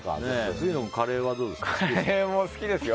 杉野君、カレーはどうですか？